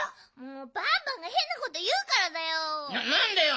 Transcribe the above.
バンバンがへんなこというからだよ。